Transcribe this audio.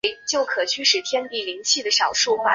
中华民国军事将领。